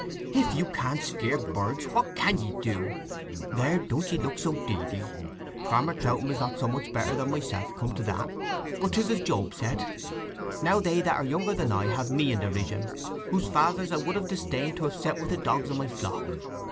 "If you can't skeer birds, what can ye do? There! don't ye look so deedy! Farmer Troutham is not so much better than myself, come to that. But 'tis as Job said, 'Now they that are younger than I have me in derision, whose fathers I would have disdained to have set with the dogs of my flock.